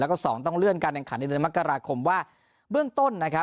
๑แล้วก็๒ต้องเลื่อนการแอนดังขันในโดยมักราคมว่าเบื้องต้น